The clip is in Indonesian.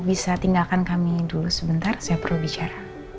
bisa tinggalkan kami dulu sebentar saya perlu bicara